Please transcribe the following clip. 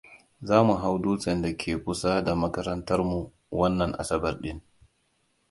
Za mu hau dutsen da ke kusa da makarantarmu wannan Asabar ɗin.